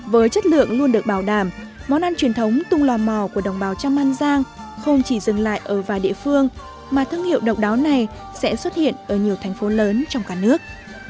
với chất lượng luôn được bảo đảm món ăn truyền thống tung lò mò của đồng bào trăm an giang không chỉ dừng lại ở vài địa phương mà thương hiệu độc đáo này sẽ xuất hiện ở nhiều thành phố lớn trong cả nước